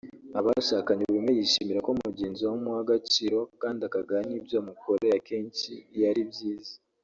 Abashakanye buri umwe yishimira ko mugenzi we amuha agaciro kandi akagaha n’ibyo amukoreye akenshi iyo ari byiza